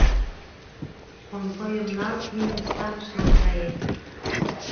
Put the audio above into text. Конвойым нал, ниным станыш наҥгае.